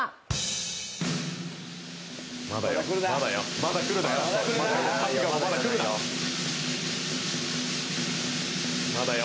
まだ来るなよ。